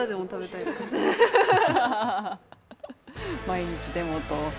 毎日でもと。